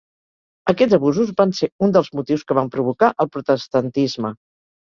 Aquests abusos van ser un dels motius que van provocar el protestantisme.